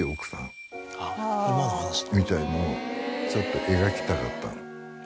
みたいのをちょっと描きたかった。